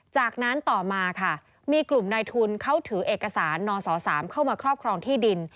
จากนั้นต่อมาค่ะมีกลุ่มนายทุนเขาถือเอกสารนศ๓เข้ามาครอบครองที่ดิน